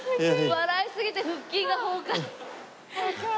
笑いすぎて腹筋が崩壊。